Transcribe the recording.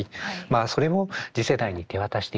あそれを次世代に手渡していくための